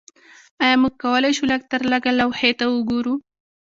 ایا موږ کولی شو لږترلږه لوحې ته وګورو